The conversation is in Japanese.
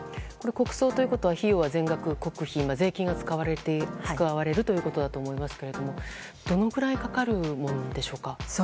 国葬ということは費用は全額国費税金が使われるということだと思いますけれどもどのくらいかかるものなんでしょうか。